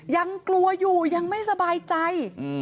ยังกลัวอยู่ยังไม่สบายใจ